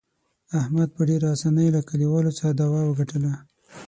احمد په ډېر اسانۍ له کلیوالو څخه دعوه وګټله.